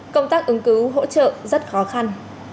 công tác ứng cứu hỗ trợ rất khó khăn